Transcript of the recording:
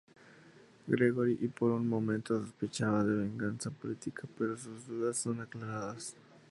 Gregory por un momento sospecha de venganza política pero sus dudas son aclaradas.